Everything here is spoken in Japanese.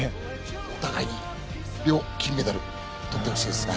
お互いに両金メダル取ってほしいですね。